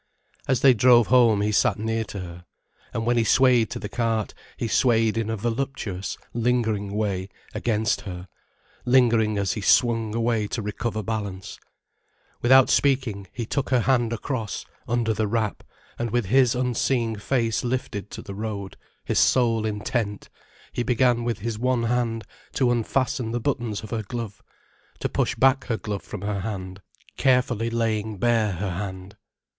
As they drove home, he sat near to her. And when he swayed to the cart, he swayed in a voluptuous, lingering way, against her, lingering as he swung away to recover balance. Without speaking, he took her hand across, under the wrap, and with his unseeing face lifted to the road, his soul intent, he began with his one hand to unfasten the buttons of her glove, to push back her glove from her hand, carefully laying bare her hand.